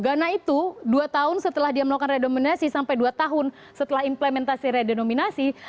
ghana itu dua tahun setelah dia melakukan redenominasi sampai dua tahun setelah implementasi redenominasi